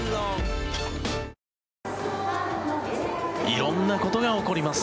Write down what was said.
色んなことが起こります